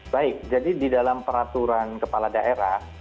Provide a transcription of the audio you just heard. baik jadi di dalam peraturan kepala daerah